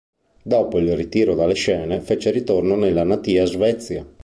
Dopo il ritiro dalle scene fece ritorno nella natia Svezia.